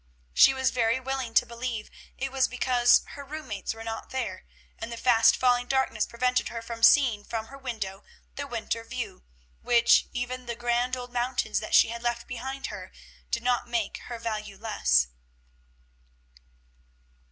She was very willing to believe it was because her room mates were not there, and the fast falling darkness prevented her from seeing from her window the winter view, which even the grand old mountains that she had left behind her did not make her value less.